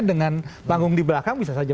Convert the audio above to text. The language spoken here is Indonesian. dengan panggung di belakang bisa saja